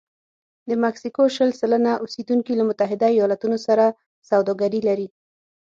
د مکسیکو شل سلنه اوسېدونکي له متحده ایالتونو سره سوداګري لري.